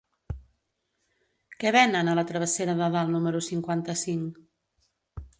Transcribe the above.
Què venen a la travessera de Dalt número cinquanta-cinc?